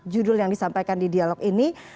judul yang disampaikan di dialog ini